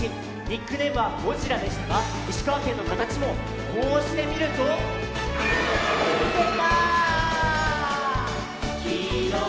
ニックネームは「ゴジラ」でしたが石川県のかたちもこうしてみるとでた！